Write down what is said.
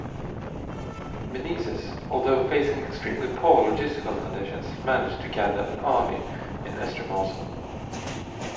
Meneses, although facing extremely poor logistical conditions, managed to gather an army in Estremoz.